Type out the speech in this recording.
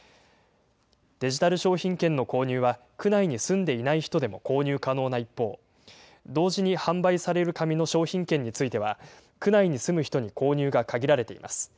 デジタル商品券の購入は区内に住んでいない人でも購入可能な一方、同時に販売される紙の商品券については、区内に住む人に購入が限られています。